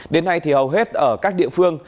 đến nay thì hầu hết ở các địa phương